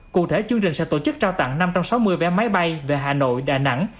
cụ thể chương trình sẽ tổ chức trao tặng năm trăm sáu mươi vé máy bay về hà nội đà nẵng